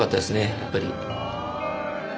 やっぱり。